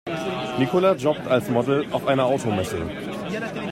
Nicola jobbt als Model auf einer Automesse.